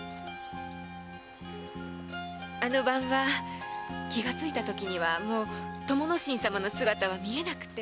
あの晩は気が付いたときにはもう友之進様の姿は見えなくて。